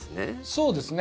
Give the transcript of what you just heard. そうですね。